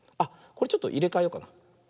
これちょっといれかえようかな。